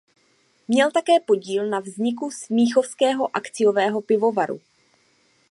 Měl také podíl na vzniku smíchovského akciového pivovaru.